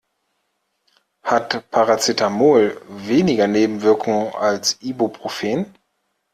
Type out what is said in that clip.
Hat Paracetamol weniger Nebenwirkungen als Ibuprofen?